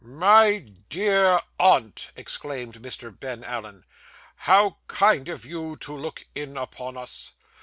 'My dear aunt,' exclaimed Mr. Ben Allen, 'how kind of you to look in upon us!